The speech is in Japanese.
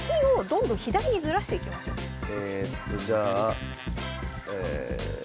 えっとじゃあえ。